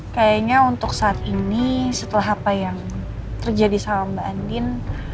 kayaknya untuk saat ini setelah apa yang terjadi sama mbak andin